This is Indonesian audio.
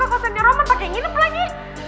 ke kosennya roman pake nginep lagi